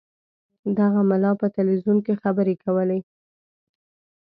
دغه ملا په تلویزیون کې خبرې کولې.